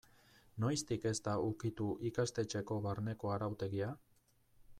Noiztik ez da ukitu ikastetxeko barneko arautegia?